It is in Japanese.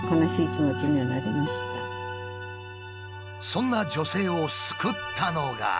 そんな女性を救ったのが。